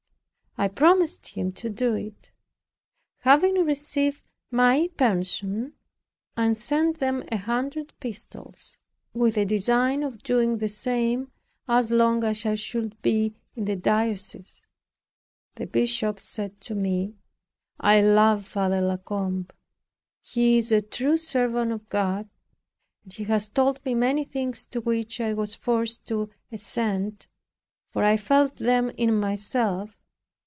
I promised him to do it. Having received my pension, I sent them a hundred pistoles, with a design of doing the same as long as I should be in the diocese. The bishop said to me, "I love Father La Combe. He is a true servant of God and he has told me many things to which I was forced to assent for I felt them in myself.